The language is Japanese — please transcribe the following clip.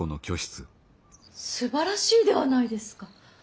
すばらしいではないですか。